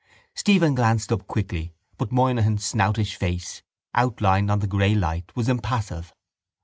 Stephen glanced up quickly but Moynihan's snoutish face, outlined on the grey light, was impassive.